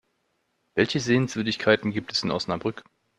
Welche Sehenswürdigkeiten gibt es in Osnabrück?